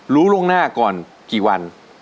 ล่วงหน้าก่อนกี่วัน